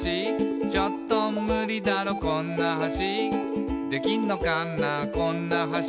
「ちょっとムリだろこんな橋」「できんのかなこんな橋」